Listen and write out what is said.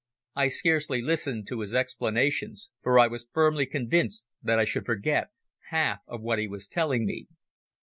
I scarcely listened to his explanations for I was firmly convinced that I should forget half of what he was telling me.